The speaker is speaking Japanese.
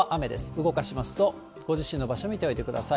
動かしますと、ご自身の場所、見ておいてください。